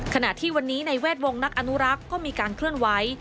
ขณะที่วันนี้ในแวดวงนักอนุรักษ์ก็มีการเคลื่อนไหว